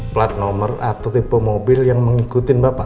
plat nomor atau tipe mobil yang mengikuti bapak